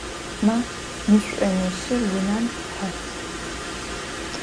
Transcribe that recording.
Ма, мы шӏонищыр унэм хьы!